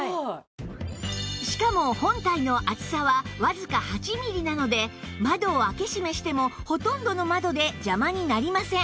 しかも本体の厚さはわずか８ミリなので窓を開け閉めしてもほとんどの窓で邪魔になりません